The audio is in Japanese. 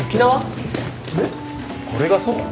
これがそば。